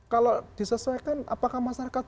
kalau disesuaikan apakah masyarakat